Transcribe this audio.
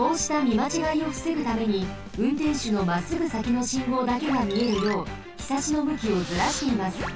まちがいをふせぐためにうんてんしゅのまっすぐさきの信号だけがみえるようひさしのむきをずらしています。